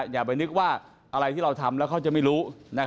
อย่าไปนึกว่าอะไรที่เราทำแล้วเขาจะไม่รู้